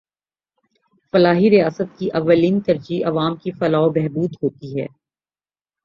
فلاحی ریاست کی اولین ترجیح عوام کی فلاح و بہبود ہوتی ہے۔